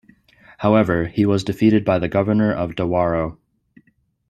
However, he was defeated by the Governor of Dawaro.